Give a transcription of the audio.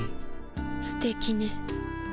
すてきね。